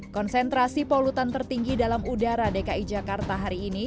konsentrasi polutan tertinggi dalam udara dki jakarta hari ini